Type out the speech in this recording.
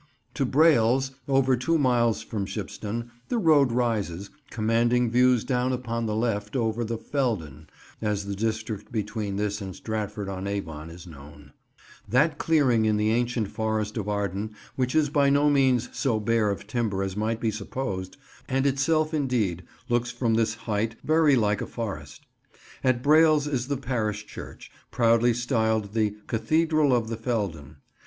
To Brailes, over two miles from Shipston, the road rises, commanding views down upon the left over "the Feldon," as the district between this and Stratford on Avon is known; that clearing in the ancient Forest of Arden which is by no means so bare of timber as might be supposed, and itself indeed looks from this height very like a forest. At Brailes is the parish church, proudly styled the "Cathedral of the Feldon."